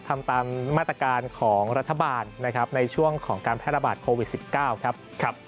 ทำตามมาตรการของรัฐบาลนะครับในช่วงของการแพร่ระบาดโควิด๑๙ครับ